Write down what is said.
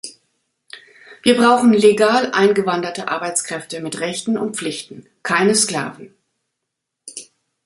Wir brauchen legal eingewanderte Arbeitskräfte mit Rechten und Pflichten, keine Sklaven.